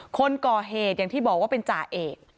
คนก่อเหตุอย่างที่บอกว่าเป็นจ่าเอก